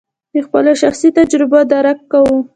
د خپلو شخصي تجربو درک کوو.